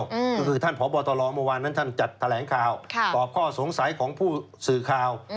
ก็คือท่านพบตรเมื่อวานนั้นท่านจัดแถลงข่าวตอบข้อสงสัยของผู้สื่อข่าว